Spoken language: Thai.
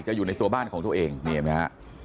จะอยู่ในตัวบ้านของตัวเองมีไหมฮะ